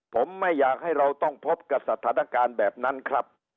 ผมไม่อยากให้เราต้องพบกับสถานการณ์แบบนั้นครับ